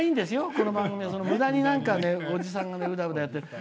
この番組は、むだにおじさんが、うだうだやってて。